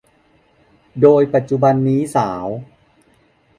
โดยปัจจุบันนี้สาว